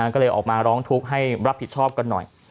ก็เลยออกมาร้องทุกข์ให้รับผิดชอบกันหน่อย